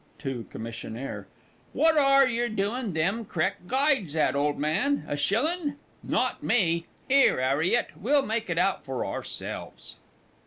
(To COMMISSIONAIRE.) What are yer doin' them c'rect guides at, ole man? A shillin'? Not me! 'Ere, 'Arriet, we'll make it out for ourselves.